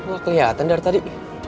wah keliatan dari tadi